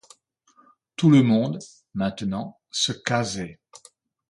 Tout le monde, maintenant, se casait.